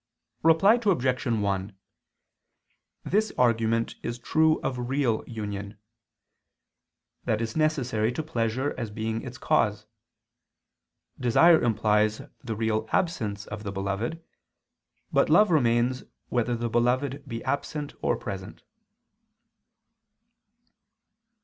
Reply Obj. 1: This argument is true of real union. That is necessary to pleasure as being its cause; desire implies the real absence of the beloved: but love remains whether the beloved be absent or present.